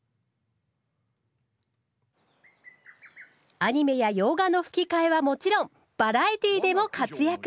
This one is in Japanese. アニメや洋画の吹き替えはもちろんバラエティーでも活躍。